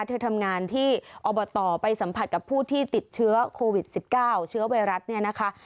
เธอทำงานที่อบตไปสัมผัสกับผู้ที่ติดเชื้อโควิด๑๙เชื้อไวรัสเนี่ยนะคะ